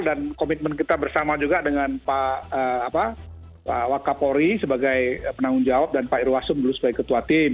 dan komitmen kita bersama juga dengan pak wak kapolri sebagai penanggung jawab dan pak irwasum dulu sebagai ketua tim